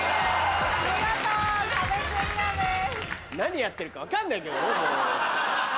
見事壁クリアです。